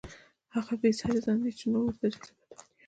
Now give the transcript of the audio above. هغه بې ساري ځان دی چې نور ورته جذابیت وایي.